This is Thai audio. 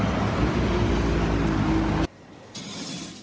อืม